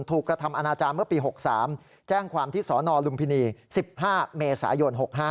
กระทำอนาจารย์เมื่อปี๖๓แจ้งความที่สนลุมพินี๑๕เมษายน๖๕